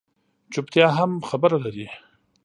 چُپتیا هم خبره لري